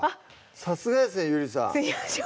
さすがですねゆりさん